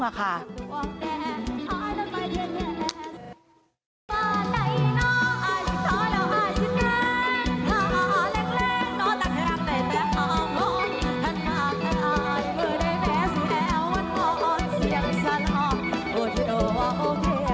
เมื่อได้แม้สุดแหลววันพร้อมเสียพิสันธรรมโทรโดว่าโอเคแล้ว